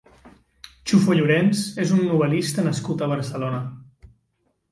Chufo Lloréns és un novel·lista nascut a Barcelona.